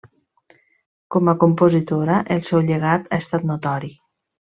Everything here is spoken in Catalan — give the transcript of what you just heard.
Com a compositora el seu llegat ha estat notori.